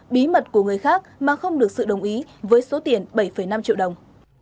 bí mật của người khác mà không được sự đồng ý với số tiền bảy năm triệu đồng